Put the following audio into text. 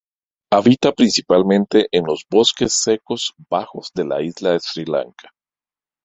Habita principalmente en los bosques secos bajos de la isla de Sri Lanka.